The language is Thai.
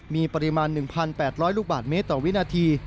มีปริมาณ๑๘๐๐ลูกบาทเมตรต่อวินาที